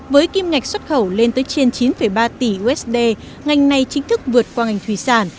với kim ngạch xuất khẩu lên tới trên chín ba tỷ usd ngành này chính thức vượt qua ngành thủy sản